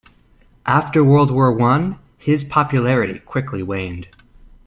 After World War One, his popularity quickly waned.